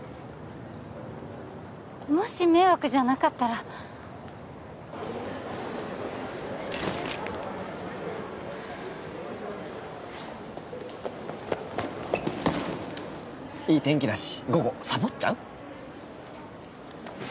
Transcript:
もし迷惑じゃなかったらいい天気だし午後サボっちゃう？